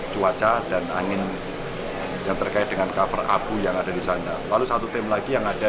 cuaca dan angin yang terkait dengan cover abu yang ada di sana lalu satu tim lagi yang ada